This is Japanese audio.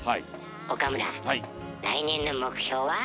岡村来年の目標は？